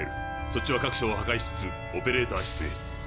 そっちは各所を破壊しつつオペレーター室へ。